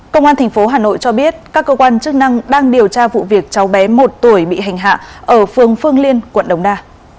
công an tp hà nội cho biết các cơ quan chức năng đang điều tra vụ việc cháu bé một tuổi bị hành hạ ở phương phương liên quận đồng đa